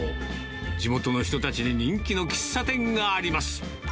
地元の人たちに人気の喫茶店があります。